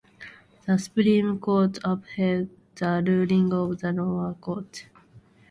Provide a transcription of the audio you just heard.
The Supreme Court upheld the ruling of the lower court.